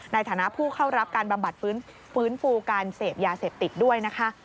ในฐานะผู้เข้ารับการบำบัดฟื้นฟูการเสพยาเสพติดด้วยนะคะ